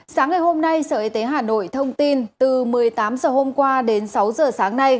sáng ngày hôm nay sở y tế hà nội thông tin từ một mươi tám h hôm qua đến sáu giờ sáng nay